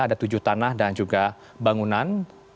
ada tujuh tanah dan juga bangunan